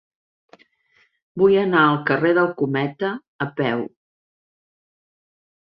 Vull anar al carrer del Cometa a peu.